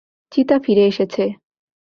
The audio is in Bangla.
চিতা ফিরে এসেছে।